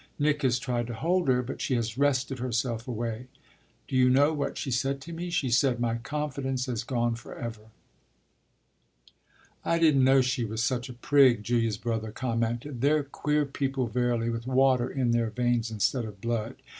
Nick has tried to hold her, but she has wrested herself away. Do you know what she said to me? She said, 'My confidence has gone for ever.'" "I didn't know she was such a prig!" Julia's brother commented. "They're queer people, verily, with water in their veins instead of blood.